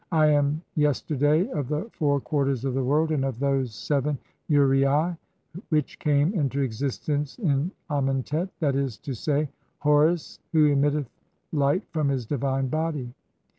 I am "Yesterday of the four [quarters of the world] and of those "seven Uraei which came into existence in Amentet, that is to "say, [Horus, who emitteth light from his divine body.